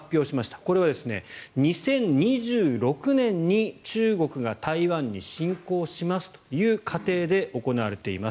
これは２０２６年に中国が台湾に進攻しますという仮定で行われています。